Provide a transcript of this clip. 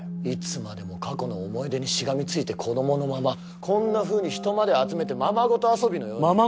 いつまでも過去の思い出にしがみついて子供のままこんなふうに人まで集めてままごと遊びのように。